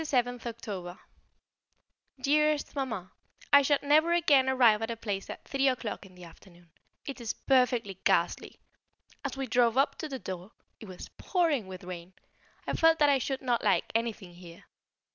[Sidenote: Carriston Towers] Dearest Mamma, I shall never again arrive at a place at three o'clock in the afternoon; it is perfectly ghastly! As we drove up to the door it was pouring with rain I felt that I should not like anything here.